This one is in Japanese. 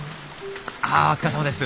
あお疲れさまです。